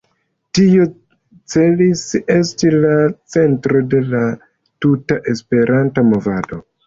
Tio celis esti la centro de la tuta Esperanta movado.